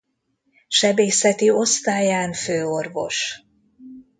Sebészeti Osztályán főorvos.